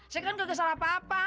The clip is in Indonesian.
saya kan gak salah apa apa